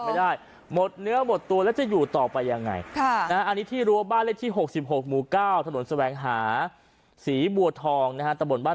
ไปดูเหตุการณ์นี้หน่อย